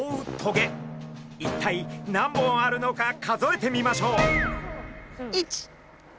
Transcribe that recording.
一体何本あるのか数えてみましょう。